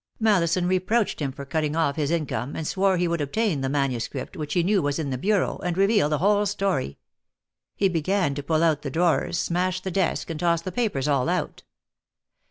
Mallison reproached him for cutting off his income, and swore he would obtain the manuscript, which he knew was in the bureau, and reveal the whole story. He began to pull out the drawers, smash the desk, and toss the papers all out.